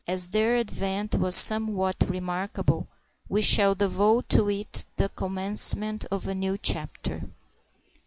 As their advent was somewhat remarkable, we shall devote to it the commencement of a new chapter.